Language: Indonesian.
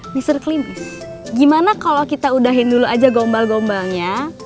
mister klimis gimana kalo kita udahin dulu aja gombal gombalnya